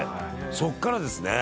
そっからですね。